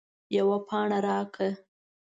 یوه پاڼه راکړه